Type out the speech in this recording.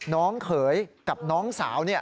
น้องเขยกับน้องสาว